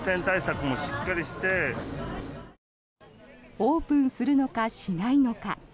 オープンするのかしないのか。